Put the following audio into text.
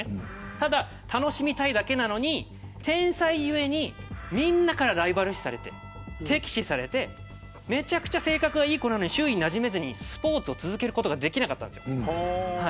ただ楽しみたいだけなのに天才ゆえにみんなからライバル視されて敵視されてめちゃくちゃ性格がいい子なのに周囲になじめずにスポーツを続けることができなかったんです。